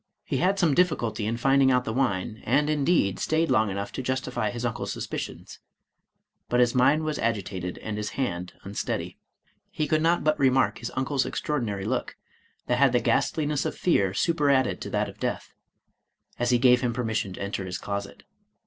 He had soma difficulty in finding out the wine, and indeed stayed long enough to 162 Charles Robert Maturin justify his uncle's suspicions, — ^but his mind was agitated, and his hand unsteady. He could not but remark his uncle's extraordinary look, that had the ghastliness of fear superadded to that of death, as he gave him permission to enter his closet.